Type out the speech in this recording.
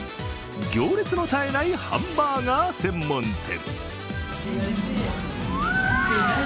行列の絶えないハンバーガー専門店。